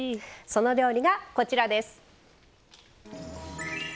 その料理がこちらです。